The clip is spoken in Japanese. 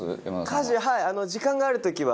家事はい。